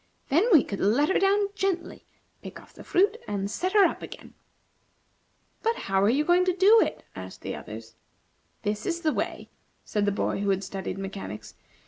Then we could let her down gently, pick off the fruit, and set her up again. "But how are you going to do it?" asked the others. "This is the way," said the boy who had studied mechanics.